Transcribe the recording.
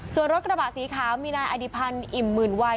ส่วนรถกระบะสีขาวมีนายอดิพันธ์อิ่มหมื่นวัย